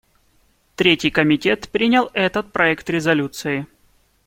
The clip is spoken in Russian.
Третий комитет принял этот проект резолюции.